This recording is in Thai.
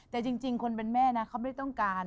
แต่จริงคนเป็นแม่นะเขาไม่ได้ต้องการ